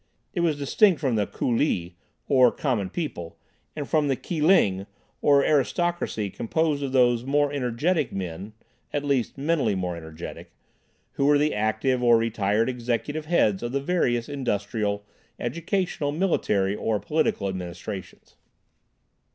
It was distinct from the Ku Li (coolie) or common people, and from the "Ki Ling" or aristocracy composed of those more energetic men (at least mentally more energetic) who were the active or retired executive heads of the various industrial, educational, military or political administrations.